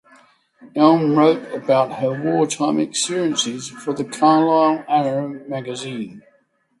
Elm wrote about her wartime experiences for the "Carlisle Arrow" magazine.